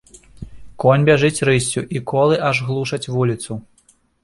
Конь бяжыць рыссю, і колы аж глушаць вуліцу.